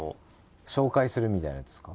紹介するみたいなやつですか？